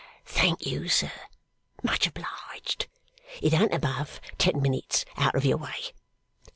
'Thank you, sir. Much obliged. It an't above ten minutes out of your way.